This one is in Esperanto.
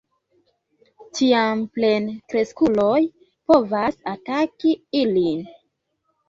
Tiam plenkreskuloj povas ataki ilin.